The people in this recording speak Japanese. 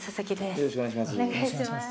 よろしくお願いします